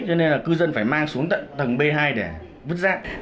cho nên là cư dân phải mang xuống tầng b hai để vứt giác